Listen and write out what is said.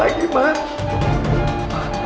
mama gak boleh begitu